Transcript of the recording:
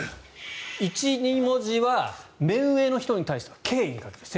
１２文字は目上の人に対しては敬意に欠ける。